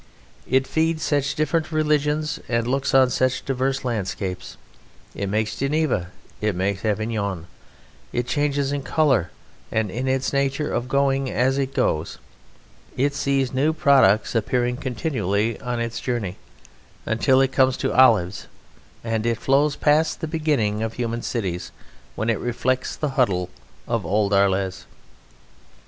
It feeds such different religions and looks on such diverse landscapes. It makes Geneva and it makes Avignon; it changes in colour and in the nature of its going as it goes. It sees new products appearing continually on its journey until it comes to olives, and it flows past the beginning of human cities, when it reflects the huddle of old Arles.